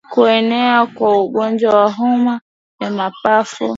Kuenea kwa ugonjwa wa homa ya mapafu